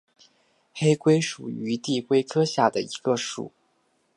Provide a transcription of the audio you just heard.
黑龟属是地龟科下的一个属。